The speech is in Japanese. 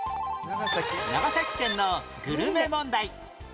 長崎県のグルメ問題